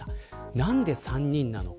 何で３人なのか。